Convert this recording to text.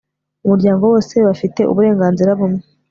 umuryango wose bafite uburenganzira bumwe